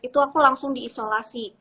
itu aku langsung di isolasi